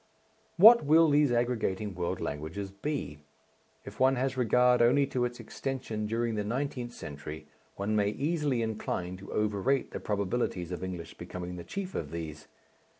What will these aggregating world languages be? If one has regard only to its extension during the nineteenth century one may easily incline to overrate the probabilities of English becoming the chief of these.